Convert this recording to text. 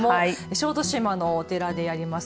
小豆島のお寺にあります